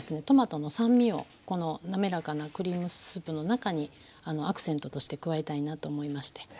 トマトの酸味をこの滑らかなクリームスープの中にアクセントとして加えたいなと思いまして。